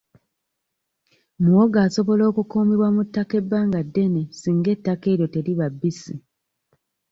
Muwogo asobola okukuumibwa mu ttaka ebbanga ddene singa ettaka eryo teriba bbisi.